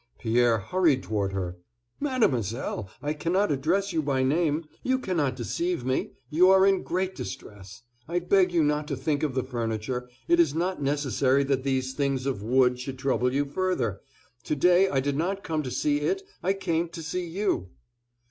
Pierre hurried toward her—"Mademoiselle, I cannot address you by name; you cannot deceive me; you are in great distress. I beg you not to think of the furniture; it is not necessary that these things of wood should trouble you further; to day I did not come to see it, I came to see you."